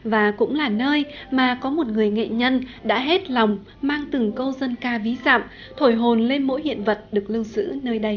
và cũng là nơi mà có một người nghệ nhân đã hết lòng mang từng câu dân ca ví dặm thổi hồn lên mỗi hiện vật được lưu giữ nơi đây